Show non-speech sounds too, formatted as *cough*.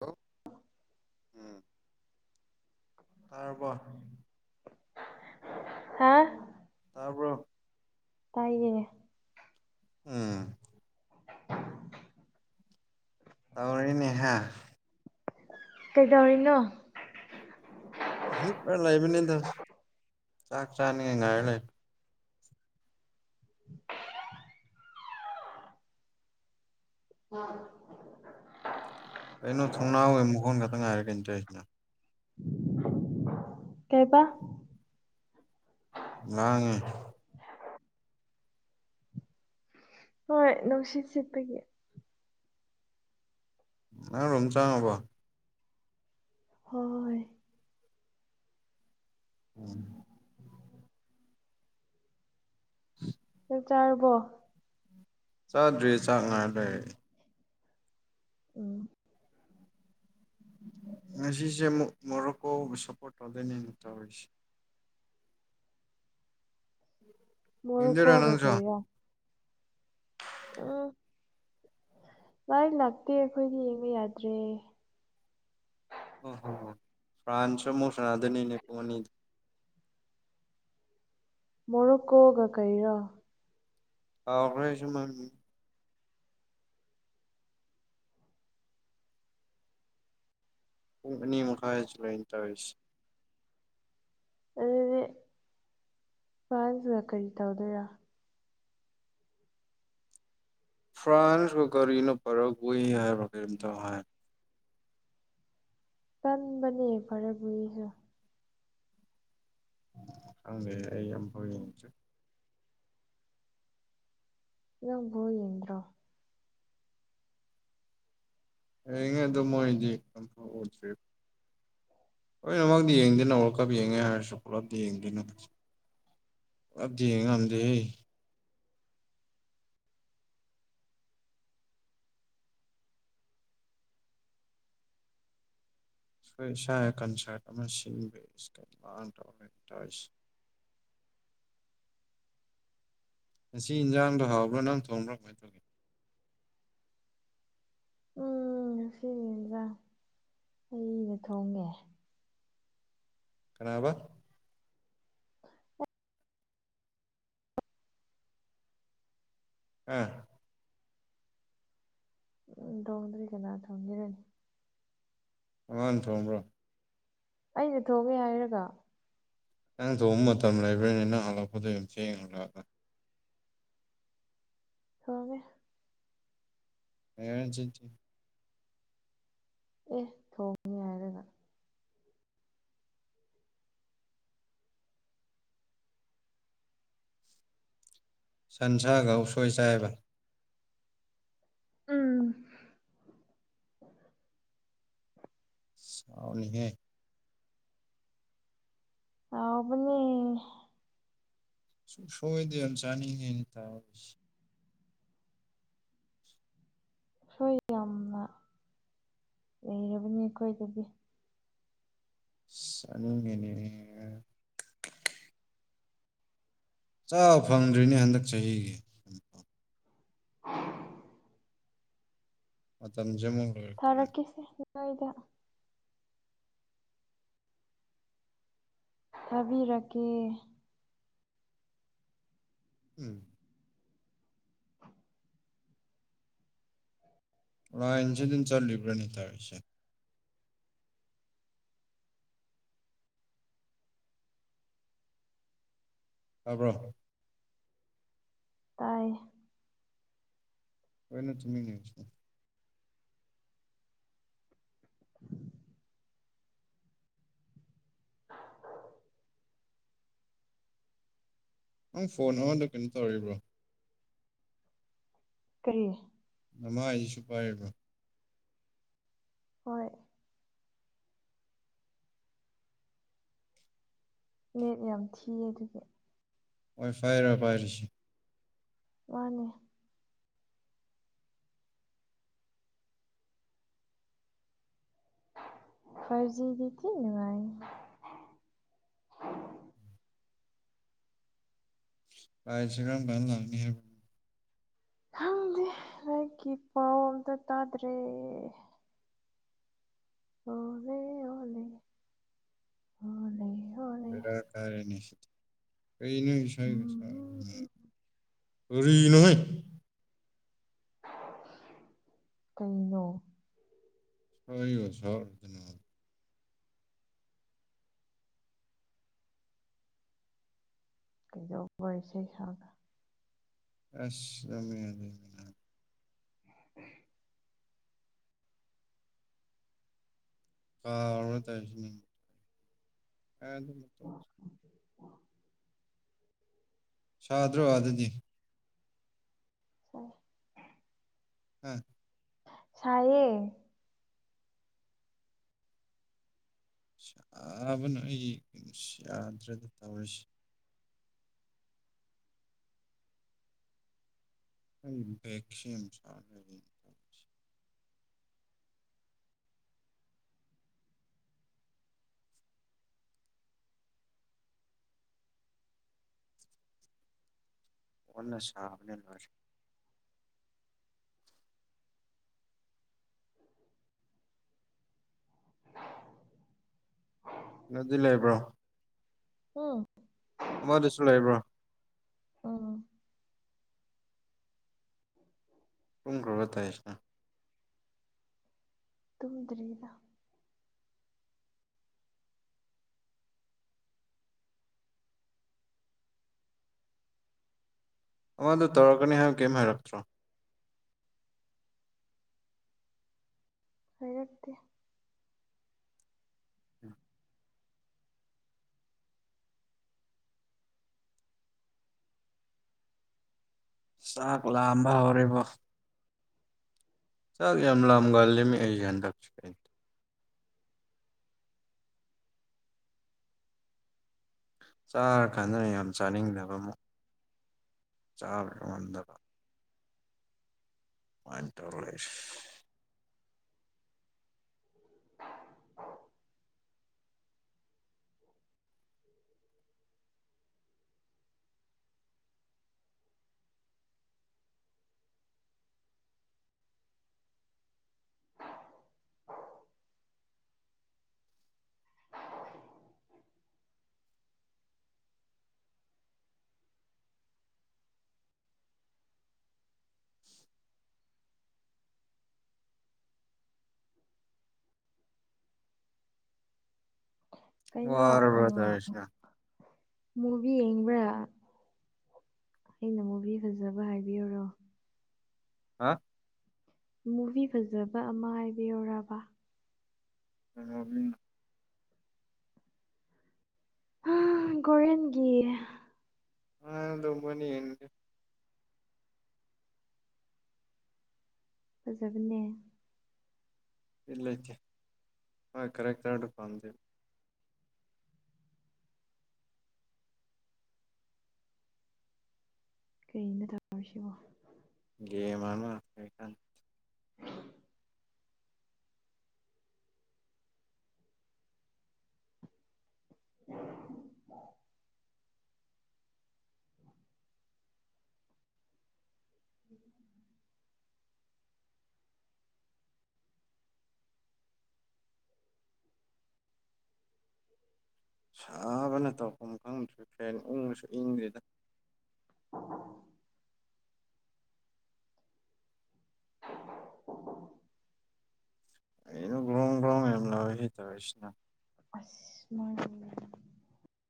ꯍꯜꯂꫭ ꯑꯝ ꯇꯥꯔꯕꫭ ꯍꯥ ꯇꯥꯕꯔꯣ ꯇꯥꯏꯌꯦ ꯎꯝ ꯇꯧꯔꯥꯅꯤꯅ‌ꯦ ꯅꯍꯥ ꯀꯩꯗꯧꯔꯤꯅꯣ ꯍꯤꯄꫪ ꯂꯩꯕꯅꯤꯗ ꯆꯥꯛ ꯆꯥꯅꯤꯡꯉꯥꯏ ꯉꯥꯏꯔ ꯂꯩ ꯀꯩꯅꯣ ꯊꯣꯡꯅꯥꯎꯋ ꯃꯈꯣꯟ ꯉꯥꯛꯇ ꯉꯥꯏꯔ‌ꯦ ꯀꯩꯅꫭꯇꯧꯁꯤꯅ ꯀꯩꯕ ꯉꫪꯥꯡꯅ‌ꯦ ꯍꯣꯏ ꯅꯨꯡꯁꯤꯠ ꯁꯤꯠꯄꯒꯤ ꯅꯪ ꯔꯣꯝ ꯆꯪꯉꯕꯣ ꯍꯣꯏ ꯎꯝ *unintelligible* ꯆꯥꯛ ꯆꯔꯕꯣ ꯆꯥꯗ꯭ꯔꯤ ꯆꯥꯛ ꯉꯥꯏ ꯂꯩ ꯎꯝ ꯉꯁꯤꯁꯦ ꯃꯨꯛ ꯃꯣꯔꯣꯀꯣꯒꯤ ꯁꯞꯄꯣꯔꯠ ꯇꯧꯗꫭꯏꯅꯤꯅ‌ꯦ ꯇꯧꯔꯤꯁꯦ ꯌꯦꯡꯗꯣꯏꯔꯣ ꯃꫭꯔꫭꯀꫭꯒ ꯅꯪꯁꯨ ꯀꯩꯒ *unintelligible* ꯂꯥꯏ ꯂꯥꯛꯇꯦ ꯑꯩꯈꯣꯏꯗꯤ ꯃꯩ ꯌꯥꯗ꯭ꯔꯦ ꯑꯣ ꯍꯣ ꯐ꯭ꯔꯥꯟꯁꯨ ꯃꯨꯛ ꯁꯟꯅꯗꫭꯏꯅꯤꯅ‌ꯦ ꯄꯨꯡ ꯑꯅꯤꯗ ꯃꫭꯔꫭꯀꯣꯒ ꯀꯩꯔꯥ ꯀꯥꯎꯒ꯭ꫪ‌ꯦ ꯑꯩꯖꯨ ꯃꯃꯤꯡ ꯄꯨꯡ ꯑꯅꯤ ꯃꯈꯥꯏꯗꯁꯨ ꯂꯩꯅ‌ꯦ ꯇꯧꯔꯤꯁ‌ꯦ ꯑꯗꯨꯗꯤ ꯐ꯭ꫪꯟꯁꯒ ꯀꯔꯤꯇꯧ ꯗꫭꯏꫪ ꯐ꯭ꯔꯥꯟꯁꯂ ꯀꫪꯤꯅꫭ ꯄꫪꯒꫭꯏ ꯍꯥꯏꯕ꯭ꫪ ꯀꯩꯅꫭꯝꯇ ꯍꯥꯏ ꯀꯟꯕꯅ‌ꯦ ꯐꯔꯦꯒꯨꯏꯁꯨ ꯈꯪꯗ‌ꯦ ꯑꯩ ꯑꯐꯥꯎꯕ ꯌ‌ꯦꯡꯗꯤ ꯌꯝꯐꯥꯎ ꯌ‌ꯦꯡꯗ꯭ꫪꫭ ꯍꯉ ꯑꯗꯨ ꯃꯣꯏꯗꯤ ꯎꯗꯦ ꯍ ꯅꯃꯛꯗꯤ ꯌꯦꯡꯗꯅ ꯑꯣꯔꯜ ꯀꯥꯞ ꯌꯦꯡꯉꯦ ꯍꯥꯏꯔ ꯁꯀꯂꯞꯗꯤ ꯌꯦꯡꯗꯅ ꯄꯨꯂꯞꯇꯤ ꯌ‌ꯦꯡꯉꯝꯗ‌ꯦꯍ‌ꯦ ꯏꯁꯣꯏ ꯏꯁꯥ ꯀꯟꯁꯔꯠ ꯑꯃ ꯁꯤꯟꯕ ꯏꯁꯀꯗꯤꯃ ꯇꯁ *inaudible* ꯉꯁꯤ ꯏꯟꯖꯥꯡꯗꯣ ꯍꯥꯎꯕ꯭ꯔꯥ ꯅꯪ ꯊꯣꯡꯕ꯭ꯔꯥ ꯀꯃꯥꯏꯅ ꯇꯧꯒꯦ ꯎꯝ ꯉ ꯁꯤꯟꯖꯥꯡ ꯑꯩꯩꯅ ꯊꯣꯡꯉꯦ ꯀꯅꯥꯕ ꯑꯥ ꯎꯝ ꯗꯣꯡ ꯇꯔꯤꯀ ꯅ ꯆꯣꯡꯅꯤ ꯔꯅꯤ ꯋꯥ ꯊꯣꯡꯕ꯭ꯔꯣ ꯑꯩꯅ ꯊꯣꯛꯒꯦ ꯍꯥꯏꯔꯒ ꯅꯪ ꯊꯣꯡꯕ ꯃꯇꯝ ꯂꯩꯕ꯭ꯔꯅꯤ ꯅꯪ ꯍꯜꯂꯛꯄꯗ ꯑꯗꯨꯨꯝ ꯆꯦꯡꯉ ꯍꯒ ꯑ ꯁꯤ ꯑꯦ ꯊꯣꯡꯉ ꯍꯥꯏꯔꯒ ꯁꯟꯁꯥꯒ ꯎꯁꯣꯏ ꯆꯥꯏꯕ ꯎꯝ ꯁꯥꯎꯅꯤꯍꯦ ꯑꯕꯅꯤ ꯁꯣꯏꯗꯝ ꯆꯅꯤꯇ ꯁꯣꯏ ꯌꯥꯝꯅ ꯂꯩꯔꯕꯅꯤ ꯑꯩꯈꯣꯏꯗꯗꯤ ꯆꯒꯅꯦ ꯆꯕ ꯐꯪꯗ꯭ꯔꯤꯅꯦ ꯍꯟꯗꯛ ꯆꯍꯤꯒꯤ ꯃꯇꯝꯁꯦ ꯃ ꯂꯥꯛꯛꯇꯔꯦ ꯍꯣꯏꯗ ꯇꯕꯤꯔꯀꯦ ꯎꯝ ꯂꯥꯏꯟꯁꯤ ꯑꯗꯨꯟ ꯆꯠꯂꯤꯕ꯭ꯔꯥꯅꯤ ꯇꯔꯤꯁꯦ ꯇꯥꯔꯕ꯭ꯔꯣ ꯇꯥꯏ ꯍꯣꯏꯅ ꯊꯃꯤ ꯅꯁ ꯅꯪ ꯐꯣꯟ ꯑꯃꯗ ꯀꯩꯅꯣ ꯇꯧꯔꯤꯕ꯭ꯔꯣ ꯀꯔꯤ ꯅꯃꯥ ꯍꯥꯏꯁꯤꯁꯨ ꯄꯥꯏꯔꯤꯕ ꯍꯣꯏ ꯃꯦꯠ ꯌꯥꯝ ꯊꯤꯌꯦ ꯑꯗꯨꯒꯤ ꯍꯣꯏ ꯐꯔꯔꯣꯏ ꯐꯥꯏꯔꯤꯁꯤ ꯃꯥꯅꯤ ꯐꯔꯖꯤꯗꯤꯇꯤꯅꯅꯨꯡꯚꯥꯏ *inaudible* ꯄꯥꯏꯁꯦ ꯀꯝ ꯥꯟꯂꯅꯤ ꯍꯥꯏꯦ ꯈꯪꯗꯦ ꯍꯀꯤ ꯄꯥꯎ ꯑꯝꯇ ꯇꯥꯗ꯭ꯔꯦ ꯍꯣꯂ ꯍꯣꯂ ꯍꯣꯂ ꯍ ꯕꯔꯥ ꯀꯅꯤ ꯁꯤ ꯀꯩ ꯅꯁ ꯎꯝ ꯔꯤ ꯅꯣꯍꯣꯏ ꯀꯩꯅꯩꯅꯣ ꯁ ꯑꯣ ꯁꯗꯅꯥ ꯀꯩꯖꯧ ꯋꯥꯔꯤ ꯋꯥꯔꯤ ꯏꯁꯩꯩ ꯍꯒ ꯑ ꯃ ꯂꯩ *inaudible* ꯀꯥꯔ ꯇꯧꯁꯤ ꯑ ꯑꯗꯨꯝ ꯁꯥꯗ꯭ꯔꯣ ꯑ ꯑꯗꯨꯗꯤ ꯑꯣ ꯎꯝ ꯁꯥꯏꯌꯦ ꯁꯥꯕꯅ ꯑꯩ ꯏꯁ ꯌꯥꯗ꯭ꯔꯦꯗ ꯇꯧꯔꯤꯁꯦ ꯑꯩ *unintelligible* *inaudible* ꯑꯣꯟꯅ ꯁꯥꯕꯅꯦ ꯂꯣꯏꯔꯦ *inaudible* ꯅꯗꯤ ꯂꯩꯕ꯭ꯔꯣ ꯍꯣ ꯑꯃꯗꯨꯁꯨ ꯂꯩꯕ꯭ꯔꯣ ꯑ ꯇꯨꯝꯈ꯭ꯔꯕꯣ ꯇꯩꯁꯤꯅ ꯇꯨꯝꯗ꯭ꯔꯤꯗ ꯑꯃꯗꯣ ꯇꯧꯔꯛꯀꯅꯤ ꯍꯥꯏꯕ ꯀꯔꯤꯝ ꯍꯥꯏꯔꯛꯇ꯭ꯔꯣ ꯍꯥꯏꯔꯛꯇꯦ ꯆꯥꯛ ꯂꯥꯝꯕ ꯍꯧꯔꯤꯕꯣ ꯆꯥꯛ ꯌꯥꯝ ꯂꯥꯝꯒꯂꯦ ꯑꯩꯖꯦ ꯍꯟꯗꯛꯁꯦ ꯆꯥꯔ ꯀꯥꯟꯗꯅ ꯌꯥꯝ ꯆꯥꯅꯤꯡꯗꯕ ꯑꯃꯨꯛ ꯆꯥꯔ *unintelligible* ꯉꯝꯗꯕ ꯃꯥꯏꯟ ꯇꯧꯔ *unintelligible* ꯂꯦꯁ *inaudible* *inaudible* ꯀꯩꯅꯣ ꯋꯥꯔꯕ꯭ꯔ ꯎꯝ ꯇꯧꯔꯤꯁꯤꯅ ꯃꯨꯚꯤ ꯌꯦꯡꯕ꯭ꯔꯥ ꯑꯩꯅ ꯃꯨꯚꯤ ꯐꯖꯕ ꯍꯥꯏꯕꯤꯌꯨꯔꯣ ꯍꯥ ꯃꯨꯚꯤ ꯐꯖꯕ ꯑꯃ ꯍꯥꯏꯕꯤꯌꯨꯔꯥꯕ *unintelligible* ꯑꯥ ꯒꯣꯔꯤꯌꯟꯒꯤ ꯑ ꯑꯗꯨꯝꯕ ꯑꯣꯏꯅ ꯌꯦꯡꯉꯒꯦ ꯐꯖꯕꯅꯦ ꯏꯛꯂꯦꯠꯀꯤ ꯀꯦꯔꯦꯛꯇꯔꯗꯣ ꯄꯥꯝꯗꯦ ꯀꯩꯅꯣ ꯇꯧꯔꯤꯁꯤꯕꯣ ꯒꯦ ꯃꯥꯟꯕꯉꯥꯛꯇꯅꯦ ꯀꯥꯟ *inaudible* ꯁꯥꯕꯅ ꯇꯧꯐꯝ ꯈꯪꯗ꯭ꯔꯦ ꯐꯦꯟ ꯎꯪꯉꯁꯨ ꯏꯪꯗ꯭ꯔꯤꯗ *inaudible* *inaudible* ꯀꯩꯅꯣ ꯕ꯭ꯔꯣꯡ ꯕ꯭ꯔꯣꯡ ꯌꯥꯝ ꯂꯥꯎꯋꯤꯍꯦ ꯇꯧꯋꯤꯁꯤꯅ ꯑꯁ ꯃꯣꯏ *unintelligible* *inaudible*